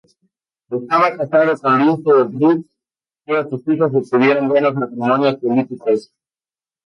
Estaba casada con Luis de Évreux, todas sus hijas obtuvieron buenos matrimonios políticos.